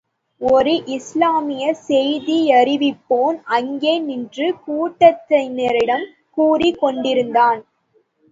ஒரு இஸ்லாமிய செய்தியறிவிப்போன், அங்கே நின்று கூட்டத்தினரிடம் கூறிக் கொண்டிருந்தான்.